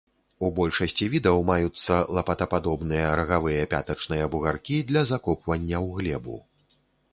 У большасці відаў маюцца лапатападобныя рагавыя пятачныя бугаркі для закопвання ў глебу.